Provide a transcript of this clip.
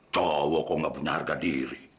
cowok kok nggak punya harga diri